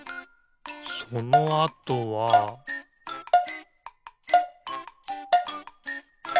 そのあとはピッ！